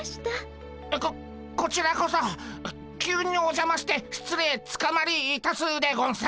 ここちらこそ急におじゃまして失礼つかまりいたすでゴンス。